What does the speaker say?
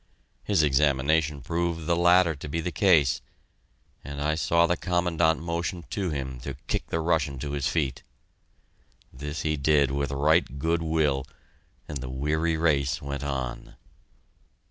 His examination proved the latter to be the case, and I saw the Commandant motion to him to kick the Russian to his feet. This he did with right good will, and the weary race went on.